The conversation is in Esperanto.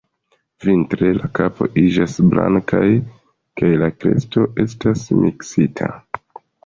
Vintre, la kapo iĝas blankaj kaj la kresto estas miksita.